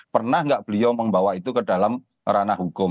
pernah nggak beliau membawa itu ke dalam ranah hukum